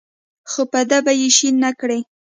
خو په ده به یې شین نکړې.